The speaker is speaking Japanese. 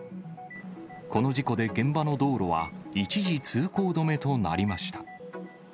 この事故で、現場の道路は一時通行止めとなりました。